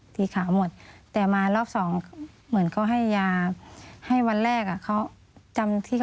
แต่มารอบสองเหมือนเขาให้ยา